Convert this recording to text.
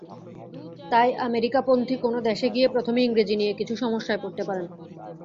তাই আমেরিকানপন্থী কোনো দেশে গিয়ে প্রথমে ইংরেজি নিয়ে কিছু সমস্যায় পড়তে পারেন।